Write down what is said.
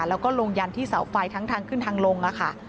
แล้วก็ลงยันที่เสาไฟทั้งทางขึ้นทางลงค่ะ